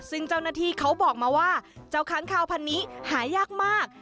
ซึ่งเจ้าหน้าที่เขาบอกมาว่าเจ้าค้างคาวพันนี้หายากมาก